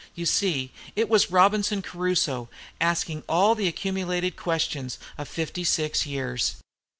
You see it was Robinson Crusoe asking all the accumulated questions of fifty six years!